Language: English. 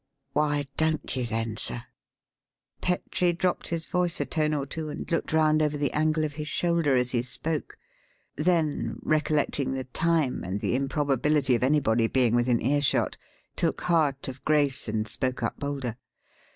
"Why don't you, then, sir?" Petrie dropped his voice a tone or two and looked round over the angle of his shoulder as he spoke; then, recollecting the time and the improbability of anybody being within earshot, took heart of grace and spoke up bolder.